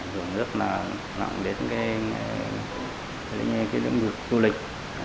dùng nước làm đến cái lĩnh vực du lịch